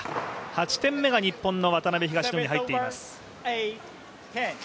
８点目が日本の渡辺・東野に入っています。